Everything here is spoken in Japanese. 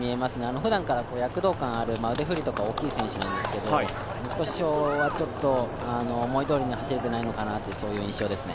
ふだんから躍動感ある、腕振りとか多い選手なんですけど、少し今日は思い通りに走れていないのかなという印象ですね。